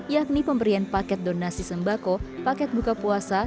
yakni pemberian paket donasi sembako paket buka puasa